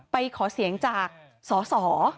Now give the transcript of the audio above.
ไปขอเสียงจากสส